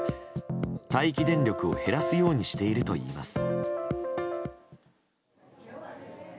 待機電力を減らすようにしているといいます。